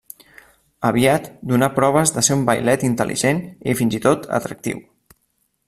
Aviat donà proves de ser un vailet intel·ligent i fins i tot atractiu.